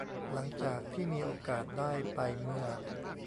หลังจากที่มีโอกาสได้ไปเมื่อ